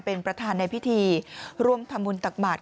เป็นประธานในพิธีร่วมทำบุญตักบาท